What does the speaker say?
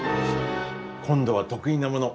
今度は得意なもの